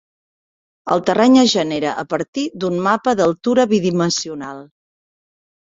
El terreny es genera a partir d'un mapa d'altura bidimensional.